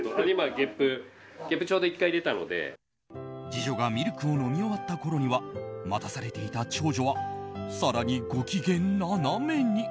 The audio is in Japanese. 次女がミルクを飲み終わったころには待たされていた長女は更にご機嫌ななめに。